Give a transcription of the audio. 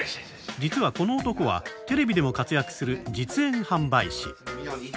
実はこの男はテレビでも活躍する実演販売士！